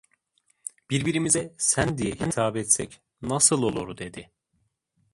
"Birbirimize sen diye hitap etsek nasıl olur?" dedi.